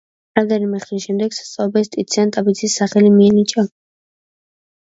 რამდენიმე ხნის შემდეგ სასწავლებელს ტიციან ტაბიძის სახელი მიენიჭა.